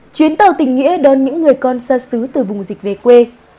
chuyến tàu tình nghĩa đón những người con xa xứ từ vùng dịch về quê